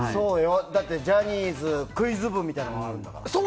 だってジャニーズクイズ部みたいなのあるもん。